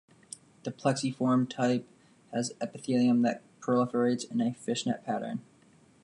The plexiform type has epithelium that proliferates in a "Fish Net Pattern".